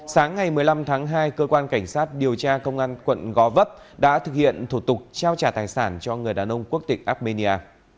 sáng ngày một mươi năm tháng hai cơ quan cảnh sát điều tra công an quận gò vấp đã thực hiện thủ tục trao trả tài sản cho người đàn ông quốc tịch armenia